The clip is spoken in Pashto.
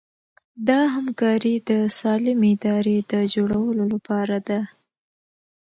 دا همکاري د سالمې ادارې د جوړولو لپاره ده.